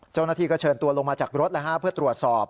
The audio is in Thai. เจ้าหน้าที่ก็เชิญตัวลงมาจากรถเพื่อตรวจสอบ